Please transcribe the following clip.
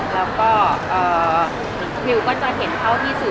เท่าที่ทุกคนเห็นกันในหน้าโซเซี๊ยลเลย